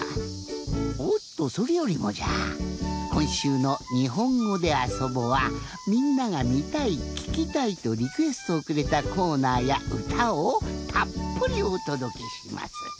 おっとそれよりもじゃこんしゅうの「にほんごであそぼ」はみんながみたいききたいとリクエストをくれたコーナーやうたをたっぷりおとどけします。